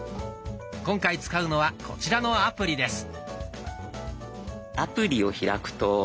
今回使うのはこちらのアプリです。